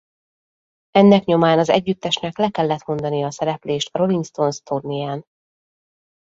Ennek nyomán az együttesnek le kellett mondania a szereplést a Rolling Stones turnéján.